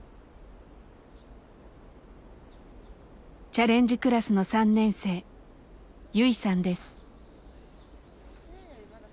チャレンジクラスの３年生ユイさんです。